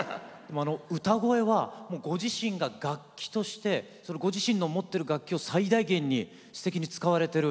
歌声は、ご自身が楽器としてご自身の持ってる楽器を最大限にすてきに使われてる。